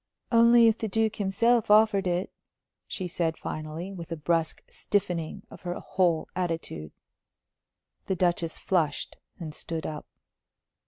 "Only if the Duke himself offered it," she said, finally, with a brusque stiffening of her whole attitude. The Duchess flushed and stood up.